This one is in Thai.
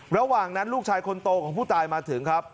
ระหว่างนั้นลูกชายคนโตของผู้ตายมาถึงครับ